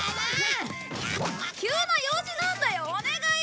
急な用事なんだよお願い！